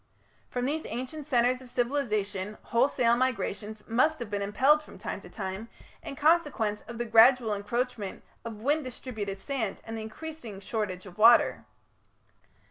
From these ancient centres of civilization wholesale migrations must have been impelled from time to time in consequence of the gradual encroachment of wind distributed sand and the increasing shortage of water.